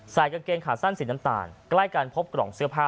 กางเกงขาสั้นสีน้ำตาลใกล้กันพบกล่องเสื้อผ้า